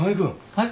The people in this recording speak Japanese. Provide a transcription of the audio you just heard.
はい。